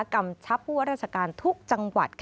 กำชับผู้ว่าราชการทุกจังหวัด